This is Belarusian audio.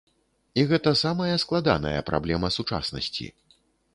І гэта самая складаная праблема сучаснасці.